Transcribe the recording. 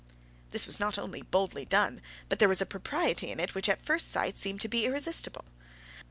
This was not only boldly done, but there was a propriety in it which at first sight seemed to be irresistible.